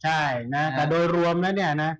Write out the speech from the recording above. ใช่นะแต่โดยรวมแล้วเนี่ยนะ